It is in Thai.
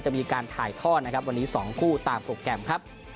มีการถ่ายทอดนะครับวันนี้๒คู่ตามโปรแกรมครับ